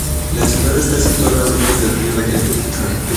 La ciudad está situada a orillas del río Neckar.